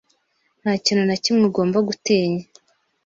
Ntakintu nakimwe ugomba gutinya.